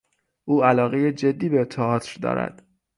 او علاقهی جدی به تئاتر دارد.